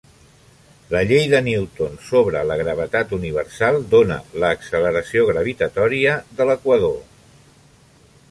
La llei de Newton sobre la gravetat universal dona l'"acceleració gravitatòria" de l'equador.